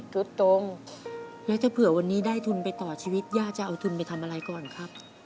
ตรงแล้วถ้าเผื่อวันนี้ได้ทุนไปต่อชีวิตย่าจะเอาทุนไปทำอะไรก่อนครับ